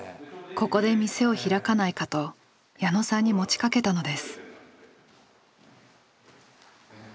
ここで店を開かないかと矢野さんに持ちかけたのです。